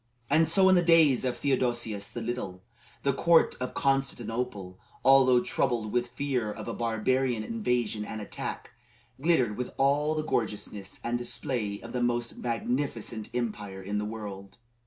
And so in the days of Theodosius the Little, the court of Constantinople, although troubled with fear of a barbarian invasion and attack, glittered with all the gorgeousness and display of the most magnificent empire in the world.